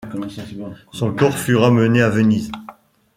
Son corps fut ramené à Venise.